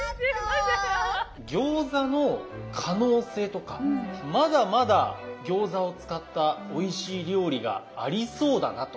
餃子の可能性とかまだまだ餃子を使ったおいしい料理がありそうだなと。